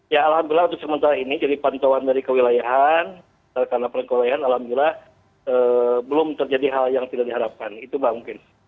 ya alhamdulillah untuk sementara ini jadi pantauan dari kewilayahan karena perkelahian alhamdulillah belum terjadi hal yang tidak diharapkan itu mungkin